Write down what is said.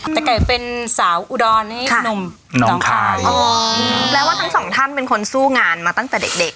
แต่ไก่เป็นสาวอุดรนี่หนุ่มน้องคายอ๋อแปลว่าทั้งสองท่านเป็นคนสู้งานมาตั้งแต่เด็กเด็ก